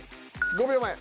５秒前。